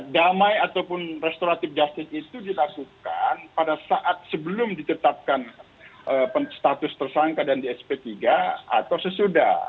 damai ataupun restoratif justice itu dilakukan pada saat sebelum ditetapkan status tersangka dan di sp tiga atau sesudah